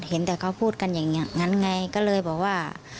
เห็นแต่เขาพูดกันอย่างนี้งั้นไงก็เลยบอกว่า